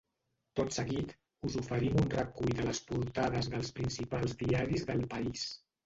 Tot seguit, us oferim un recull de les portades dels principals diaris del país.